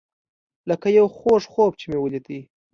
لکه یو خوږ خوب چې مې لیدی.